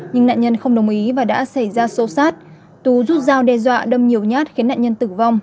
nhưng nạn nhân không đồng ý và đã xảy ra xô xát tú rút dao đe dọa đâm nhiều nhát khiến nạn nhân tử vong